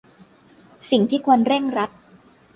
สิ่งที่ควรเร่งรัด